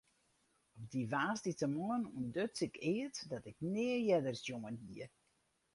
Op dy woansdeitemoarn ûntduts ik eat dat ik nea earder sjoen hie.